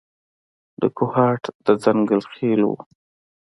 د کوهاټ د ځنګل خېلو و.